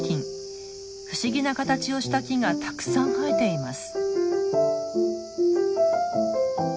不思議な形をした木がたくさん生えています。